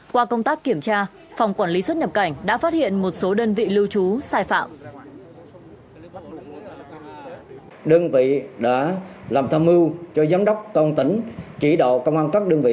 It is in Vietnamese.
qua công tác kiểm tra phòng quản lý xuất nhập cảnh đã phát hiện một số đơn vị lưu trú sai phạm